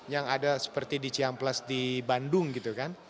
yang ada seperti di ciampelas di bandung gitu kan